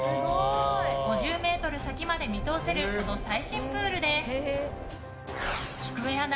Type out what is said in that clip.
５０ｍ先まで見通せるこの最新プールできくえアナ